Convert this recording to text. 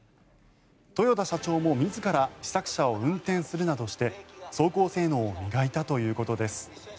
豊田社長も自ら試作車を運転するなどして走行性能を磨いたということです。